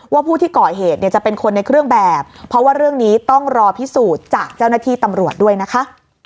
ผู้ที่ก่อเหตุเนี่ยจะเป็นคนในเครื่องแบบเพราะว่าเรื่องนี้ต้องรอพิสูจน์จากเจ้าหน้าที่ตำรวจด้วยนะคะ